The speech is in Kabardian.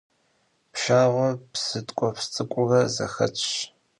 Pşşağuer psı tk'ueps ts'ık'uure zexetş.